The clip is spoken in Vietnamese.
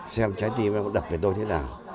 xem trái tim em đập về tôi thế nào